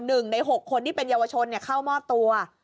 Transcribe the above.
หนึ่งในหกคนที่เป็นเยาวชนเข้ามอบตัว